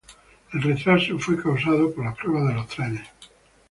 El retraso fue causado por las pruebas de los trenes.